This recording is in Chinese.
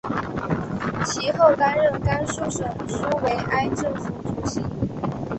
其后担任甘肃省苏维埃政府主席。